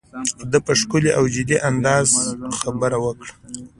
ده په ښکلي او جدي انداز خبره وکړه.